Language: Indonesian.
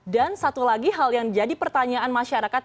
dan satu lagi hal yang jadi pertanyaan masyarakat